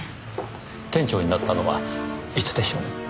店長になったのはいつでしょう？